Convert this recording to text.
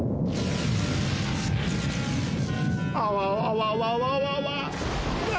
あわわわわわわわな